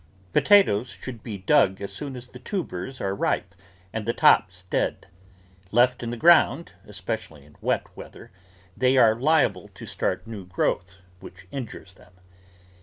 Potatoes should be dug as soon as the tubers are ripe and the tops dead. Left in the ground, espe cially in wet weather, they are liable to start new growth, which injures them.